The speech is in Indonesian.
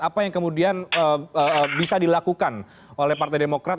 apa yang kemudian bisa dilakukan oleh partai demokrat